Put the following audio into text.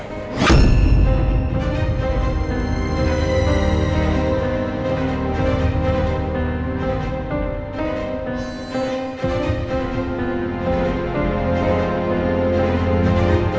jangan pernah coba macem macem sama elsa